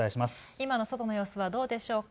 今の外の様子はどうでしょうか。